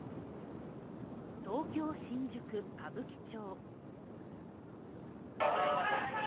東京新宿歌舞伎町。